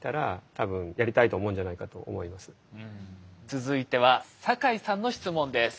続いては坂井さんの質問です。